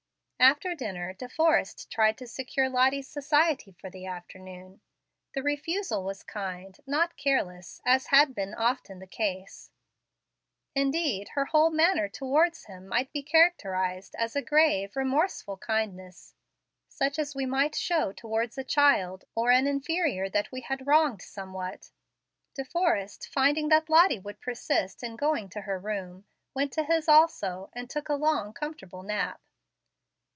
After dinner De Forrest tried to secure Lottie's society for the afternoon. The refusal was kind, not careless, as had been often the case. Indeed her whole manner towards him might be characterized as a grave, remorseful kindness, such as we might show towards a child or an inferior that we had wronged somewhat. De Forrest, finding that Lottie would persist in going to her room, went to his also, and took a long, comfortable nap.